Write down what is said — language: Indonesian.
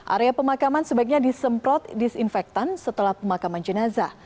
area pemakaman sebaiknya disemprot disinfektan setelah pemakaman jenazah